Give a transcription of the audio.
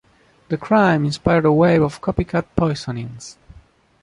The crime inspired a wave of copycat poisonings.